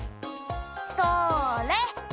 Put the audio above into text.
「それ」